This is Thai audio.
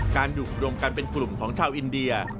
อยู่รวมกันเป็นกลุ่มของชาวอินเดีย